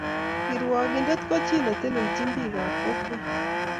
Kirwongindet ko chi ne telechin bik ab kokwet